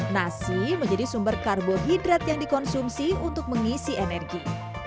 nasi menjadi sumber karbohidrat yang dikonsumsi untuk mengisi energi